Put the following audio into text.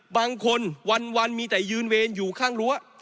บางคนวันมีแต่ยืนเวรอยู่ข้างรั้ว